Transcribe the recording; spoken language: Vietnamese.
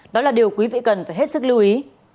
đó là điều quý vị cần phải hết sức lưu ý